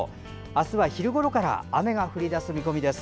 明日は昼ごろから雨が降り出す見込みです。